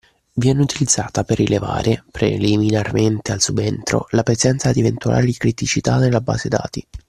Viene utilizzata per rilevare, preliminarmente al subentro, la presenza di eventuali criticità nella base dati.